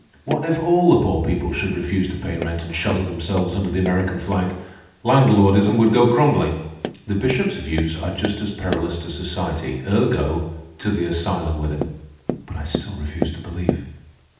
What if all the poor people should refuse to pay rent and shelter themselves under the American flag? Landlordism would go crumbling. The Bishop's views are just as perilous to society. Ergo, to the asylum with him." But still I refused to believe.